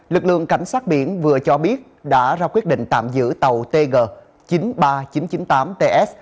lực lượng cảnh sát biển vừa cho biết đã ra quyết định tạm giữ tàu tg chín mươi ba nghìn chín trăm chín mươi tám ts